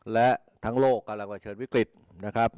และทั้งโลกกำลังเผชิญวิกฤตนะครับ